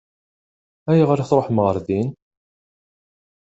Ayɣer i tṛuḥem ɣer din?